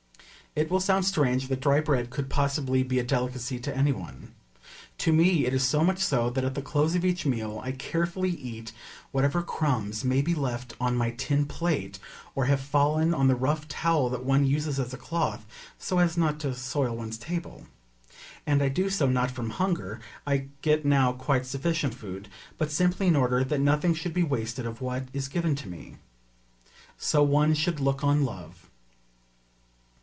It will sound strange that dry bread could possibly be a delicacy to any one. To me it is so much so that at the close of each meal I carefully eat whatever crumbs may be left on my tin plate, or have fallen on the rough towel that one uses as a cloth so as not to soil one's table; and I do so not from hunger I get now quite sufficient food but simply in order that nothing should be wasted of what is given to me. So one should look on love.